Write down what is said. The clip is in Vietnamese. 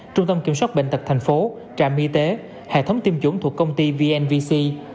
trung tâm kiểm soát bệnh tật thành phố trạm y tế hệ thống tiêm chủng thuộc công ty vnvc